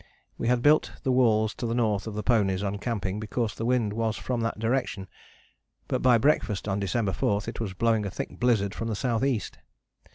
We had built the walls to the north of the ponies on camping, because the wind was from that direction, but by breakfast on December 4 it was blowing a thick blizzard from the south east.